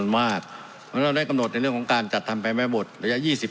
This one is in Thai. วิ่งแบบนี้เราได้กำหนดการเสนอการจัดภัยแม่บทละยะ๒๐ปี